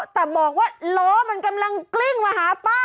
แต่บอกว่าล้อมันกำลังกลิ้งมาหาป้า